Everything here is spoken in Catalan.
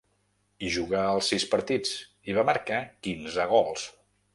Hi jugà els sis partits, i va marcar quinze gols.